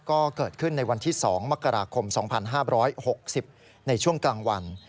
ก็เกิดขึ้นในวันที่๒มกราคม๒๕๖๐ในช่วงกลางวัน